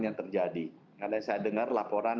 yang terjadi karena saya dengar laporan